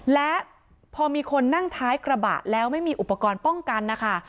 และพอมีคนนั่งท้ายกระบะแล้วไม่มีอุปกรณ์ป้องกันนะคะ